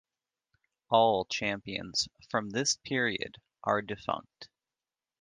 All champions from this period are defunct.